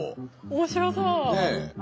面白そう。ね。